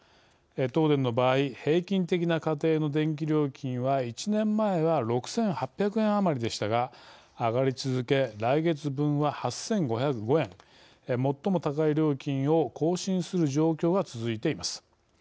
東電の場合平均的な家庭の電気料金は１年前は６８００円余りでしたが上がり続け来月分は８５０５円最も高い料金を更新する状況が続いています。